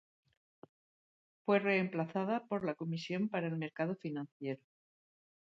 Fue reemplazada por la Comisión para el Mercado Financiero.